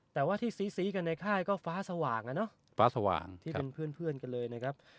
แต่ว่าที่ซีซีกันในค่ายก็ฟ้าสว่างอ่ะเนอะฟ้าสว่างที่เป็นเพื่อนเพื่อนกันเลยนะครับ